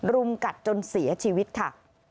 รุมกัดจนเสียชีวิตค่ะ